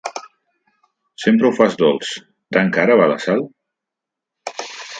Sempre ho fas dolç: tan cara va la sal?